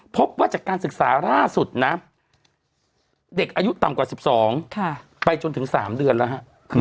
พบว่าจากการศึกษาล่าสุดนะเด็กอายุต่ำกว่า๑๒ไปจนถึง๓เดือนแล้วฮะ